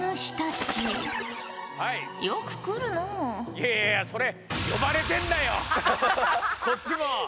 いやいやいやそれこっちも。